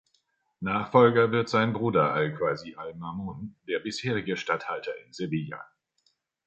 Nachfolger wird sein Bruder al-Qasim al-Ma'mun, der bisherige Statthalter in Sevilla.